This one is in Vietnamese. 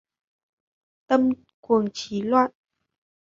Tâm cuồng, trí loạn.